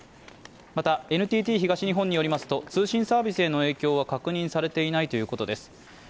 またＮＴＴ東日本によりますと、通信サービスへの影響は確認されていないということです。